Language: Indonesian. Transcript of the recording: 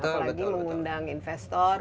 apalagi mengundang investor